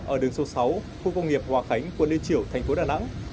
ở đường số sáu khu công nghiệp hòa khánh quận liên triểu thành phố đà nẵng